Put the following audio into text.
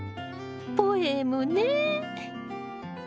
ポエムね。